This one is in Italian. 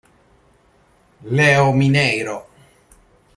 Léo Mineiro